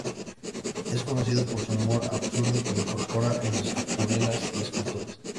Es conocido por su humor absurdo que incorpora en sus acuarelas y esculturas.